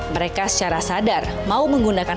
dua ribu sembilan belas mereka secara sadar mau menggunakan